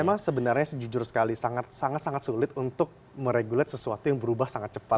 memang sebenarnya jujur sekali sangat sangat sulit untuk meregulet sesuatu yang berubah sangat cepat